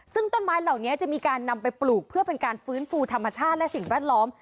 ซึ่งต้นไม้เหล่านี้จะมีการนำไปปลูกเพื่อเป็นการฟื้นฟูธรรมชาติและสิ่งแวดล้อม